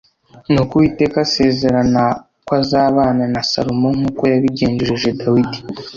nuko uwiteka asezerana ko azabana na salomo nk’uko yabigenjereje dawidi.